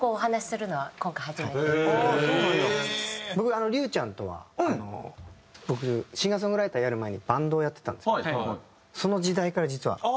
僕龍ちゃんとはあの僕シンガー・ソングライターをやる前にバンドをやってたんですけどもその時代から実は。